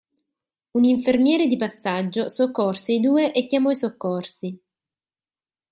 Un infermiere di passaggio soccorse i due e chiamò i soccorsi.